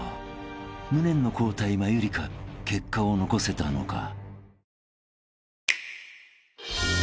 ［無念の交代マユリカ結果を残せたのか？］